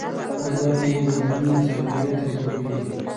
بازار کې بدلونونه د سوداګرۍ طرز بدلوي.